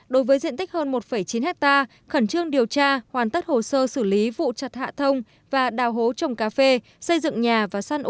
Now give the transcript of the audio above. đối với diện tích hơn một chín hectare khẩn trương điều tra hoàn tất hồ sơ xử lý vụ chặt hạ thông và đào hố trồng cà phê xây dựng nhà và săn ố